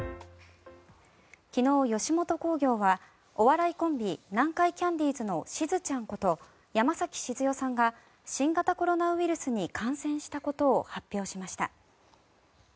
昨日、吉本興業はお笑いコンビ南海キャンディーズのしずちゃんこと山崎静代さんが新型コロナウイルスに感染したことを発表しました。